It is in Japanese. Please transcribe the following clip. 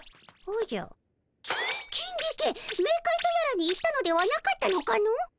キンディケメーカイとやらに行ったのではなかったのかの？